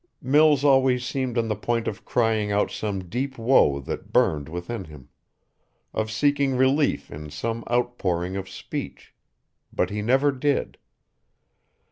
Mills always seemed on the point of crying out some deep woe that burned within him, of seeking relief in some outpouring of speech, but he never did.